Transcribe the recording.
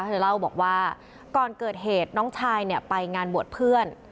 เธอเล่าบอกว่าก่อนเกิดเหตุน้องชายเนี่ยไปงานบวชเพื่อน